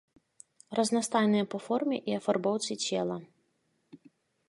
Разнастайныя па форме і афарбоўцы цела.